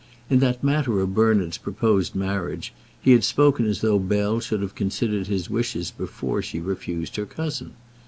In that matter of Bernard's proposed marriage he had spoken as though Bell should have considered his wishes before she refused her cousin.